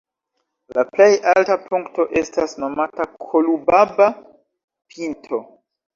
La plej alta punkto estas nomata "Kolubaba"-pinto.